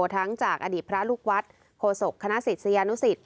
ทั้งจากอดีตพระลูกวัดโฆษกคณะศิษยานุสิต